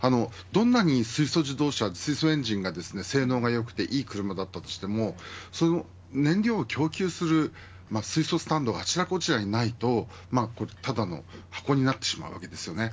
どんなに水素自動車水素エンジンの性能が良くて、いい車だとしてもその燃料を供給する水素スタンドがないとただの箱になってしまうわけです。